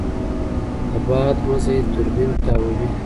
د باد مزی توربین تاووي.